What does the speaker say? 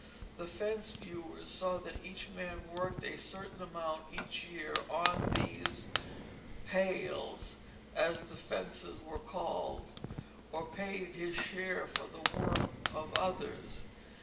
The fence viewers saw that each man worked a certain amount each year on these "pales" as the fences were called, or paid his share for the work of others.